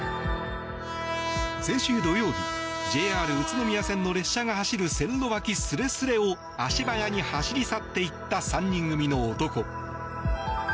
先週土曜日、ＪＲ宇都宮線の列車が走る線路脇すれすれを足早に走り去っていった３人組の男。